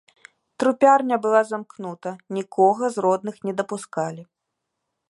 Трупярня была замкнута, нікога з родных не дапускалі.